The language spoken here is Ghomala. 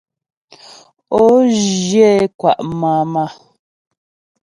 Ǒ zhyə é kwà' màmà.